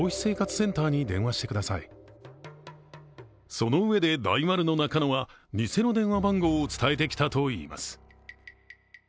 そのうえで、大丸のナカノは偽の電話番号を伝えてきたといいます。